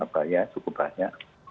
banyak cukup banyak